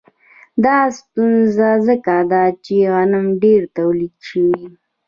دا ستونزه ځکه ده چې غنم ډېر تولید شوي